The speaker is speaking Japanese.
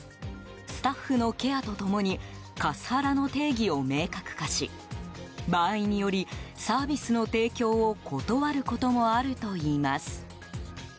スタッフのケアと共にカスハラの定義を明確化し場合により、サービスの提供を断ることもあるといいます。